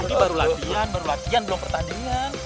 ini baru latihan baru latihan belum pertandingan